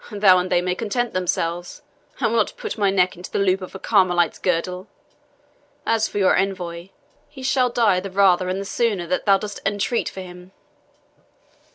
Thou and they may content themselves I will not put my neck into the loop of a Carmelite's girdle. And, for your envoy, he shall die the rather and the sooner that thou dost entreat for him."